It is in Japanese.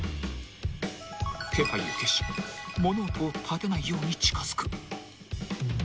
［気配を消し物音を立てないように近づく］